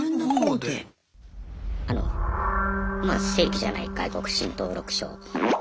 あのまあ正規じゃない外国人登録書を。